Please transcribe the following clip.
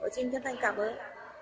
xin chân thành cảm ơn